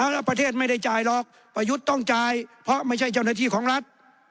แล้วประเทศไม่ได้จ่ายหรอกประยุทธ์ต้องจ่ายเพราะไม่ใช่เจ้าหน้าที่ของรัฐ